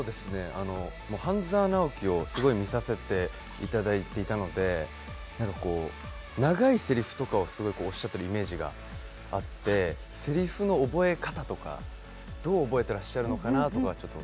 「半沢直樹」をすごい見させていただいていたので長いせりふとかをすごいおっしゃっているイメージがあって、せりふの覚え方とか、どう覚えてらっしゃるのかなと思って。